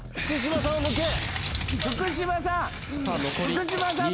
福島さん